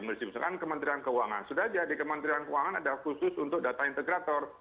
misalkan kementerian keuangan sudah jadi kementerian keuangan ada khusus untuk data integrator